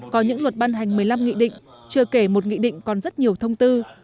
có những luật ban hành một mươi năm nghị định chưa kể một nghị định còn rất nhiều thông tư